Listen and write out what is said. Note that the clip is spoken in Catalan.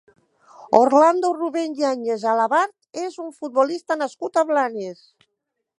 Orlando Rubén Yáñez Alabart és un futbolista nascut a Blanes.